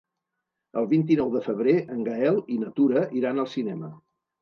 El vint-i-nou de febrer en Gaël i na Tura iran al cinema.